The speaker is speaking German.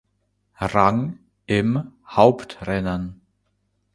Rang im Hauptrennen.